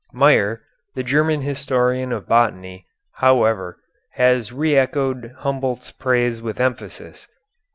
Meyer, the German historian of botany, however, has re echoed Humboldt's praise with emphasis.